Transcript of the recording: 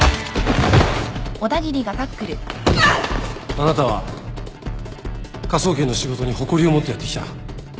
あなたは科捜研の仕事に誇りを持ってやってきた。